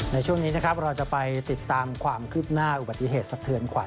ในช่วงนี้นะครับเราจะไปติดตามความคืบหน้าอุบัติเหตุสะเทือนขวั